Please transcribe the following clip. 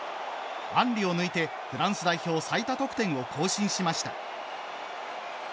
アンリを抜いてフランス代表最多得点を更新しました。